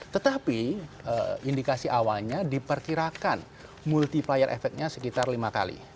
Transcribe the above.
tetapi indikasi awalnya diperkirakan multiplier efeknya sekitar lima kali